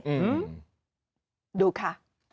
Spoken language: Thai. นี่ดูค่ะ